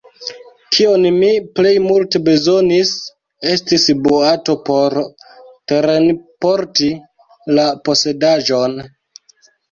Kion mi plej multe bezonis, estis boato por terenporti la posedaĵon.